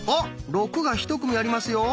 「６」がひと組ありますよ。